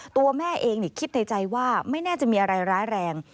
ตัวแม่เองคิดในใจว่าไม่น่าจะมีอะไรร้ายแรง